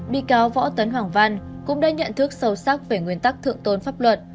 bị cáo võ tấn hoàng văn cũng đã nhận thức sâu sắc về nguyên tắc thượng tôn pháp luật